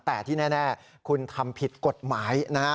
แต่ที่แน่คุณทำผิดกฎหมายนะฮะ